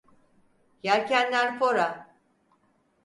Yelkenler fora!